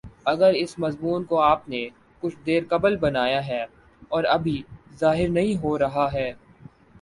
اگر اس مضمون کو آپ نے کچھ دیر قبل بنایا ہے اور ابھی ظاہر نہیں ہو رہا ہے